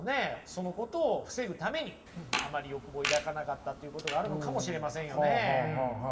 そのことを防ぐためにあまり欲望を抱かなかったっていうことがあるのかもしれませんよね？